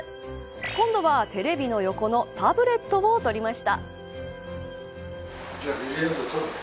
今度はテレビの横のタブレットを取りました。